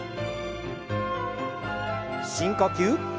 深呼吸。